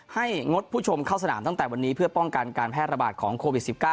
งดผู้ชมเข้าสนามตั้งแต่วันนี้เพื่อป้องกันการแพร่ระบาดของโควิด๑๙